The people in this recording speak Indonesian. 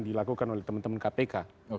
dilakukan oleh teman teman kpk